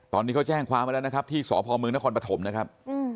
ตอนนี้เขาแจ้งความไว้แล้วนะครับที่สพมนครปฐมนะครับ